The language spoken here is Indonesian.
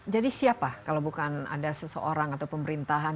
jadi siapa kalau bukan ada seseorang atau pemerintahan